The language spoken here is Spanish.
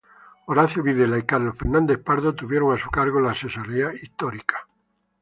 Horacio Videla y Carlos Fernández Pardo tuvieron a su cargo la asesoría histórica.